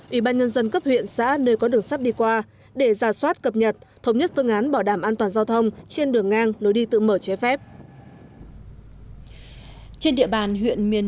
ủy ban nhân dân cấp huyện xã nơi có đường sắt đi qua để giả soát cập nhật thống nhất phương án bảo đảm an toàn giao thông trên đường ngang lối đi tự mở trái phép